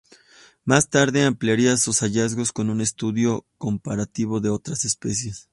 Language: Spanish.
Más tarde ampliaría sus hallazgos con un estudio comparativo de otras especies.